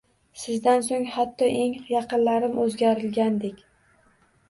Sizdan soʻng xatto eng yaqinlarim oʻzgarilgandek